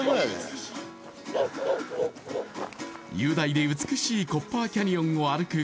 雄大で美しいコッパーキャニオンを歩く